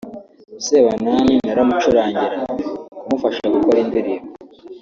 Sebanani naramucurangiraga (kumufasha gukora indirimbo)